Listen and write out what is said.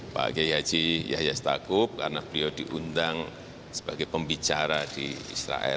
pak kiai haji yahya stakuf karena beliau diundang sebagai pembicara di israel